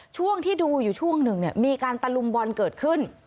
ช่วงที่ดูอยู่ช่วงหนึ่งมีการตะลุมบอลเกิดขึ้น